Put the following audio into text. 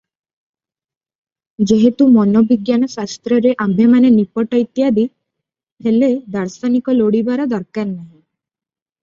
ଯେହେତୁ ମନୋବିଜ୍ଞାନ ଶାସ୍ତ୍ରରେ ଆମ୍ଭେମାନେ ନିପଟ - ଇତ୍ୟାଦି, ହେଲେ ଦାର୍ଶନିକ ଲୋଡିବାର ଦରକାର ନାହିଁ ।